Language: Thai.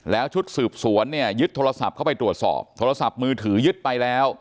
แล้วชุดสืบสวนเนี่ยยึดโทรศัพท์เข้าไปตรวจสอบโทรศัพท์มือถือยึดไปแล้ว